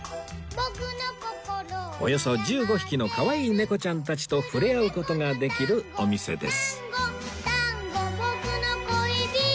およそ１５匹のかわいい猫ちゃんたちと触れ合う事ができるお店です